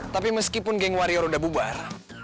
tapi meskipun geng warrior sudah bubar